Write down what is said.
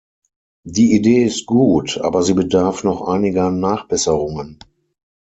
Die Idee ist gut, aber sie bedarf noch einiger Nachbesserungen.